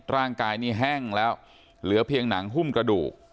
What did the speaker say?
ร่างกายนี่แห้งแล้วเหลือเพียงหนังหุ้มกระดูก